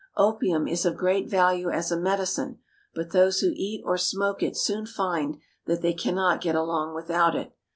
Opium is of great value as a medi cine ; but those who eat or smoke it soon find that they cannot get along without it.